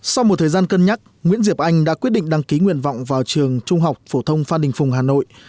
sau một thời gian cân nhắc nguyễn diệp anh đã quyết định đăng ký nguyện vọng vào trường trung học phổ thông phan đình phùng hà nội